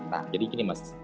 nah jadi gini mas